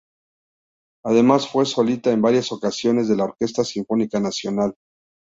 Además fue solita en varias ocasiones de la Orquesta Sinfónica Nacional.